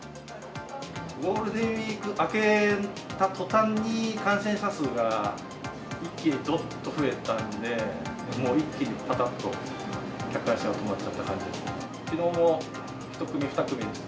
ゴールデンウィーク明けたとたんに、感染者数が一気にどっと増えたんで、もう一気に、ぱたっと客足が止まっちゃった感じですね。